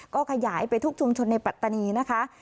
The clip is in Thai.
ก็ขยายไปทุกชุมชนในปัตตานีนะคะ